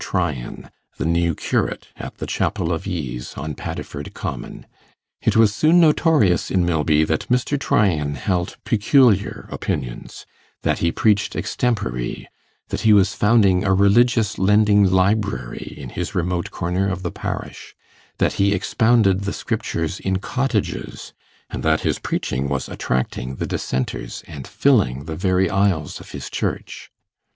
Tryan, the new curate, at the chapel of ease on Paddiford Common. It was soon notorious in Milby that Mr. Tryan held peculiar opinions; that he preached extempore; that he was founding a religious lending library in his remote corner of the parish; that he expounded the Scriptures in cottages; and that his preaching was attracting the Dissenters, and filling the very aisles of his church.